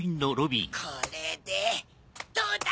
これでどうだ！